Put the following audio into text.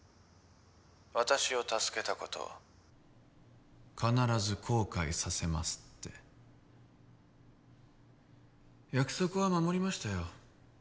私を助けたこと必ず後悔させますって約束は守りましたよ